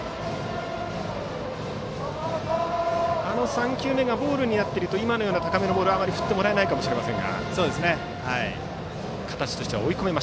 ３球目がボールになっていると今のような高めのボールは振ってもらえないかもしれません。